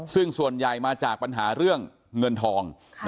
ซึ่งส่วนใหญ่มาจากปัญหาเรื่องเงินทอง